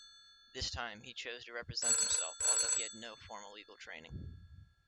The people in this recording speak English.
This time, he chose to represent himself, although he had no formal legal training.